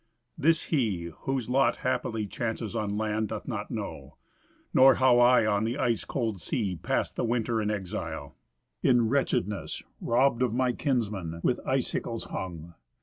This he, whose lot happily chances on land, doth not know; Nor how I on the ice cold sea passed the winter in exile, In wretchedness, robbed of my kinsmen, with icicles hung.